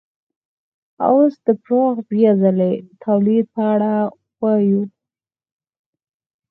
اوس د پراخ بیا ځلي تولید په اړه وایو